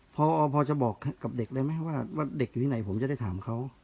พอจะบอกกับเด็กได้ไหมว่าเด็กอยู่ที่ไหนผมจะได้ถามเขา